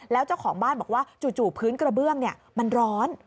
แล้วเจ้าของบ้านบอกว่าจู่พื้นกระเบื้องมันร้อน